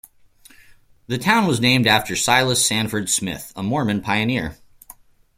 The town was named after Silas Sanford Smith, a Mormon pioneer.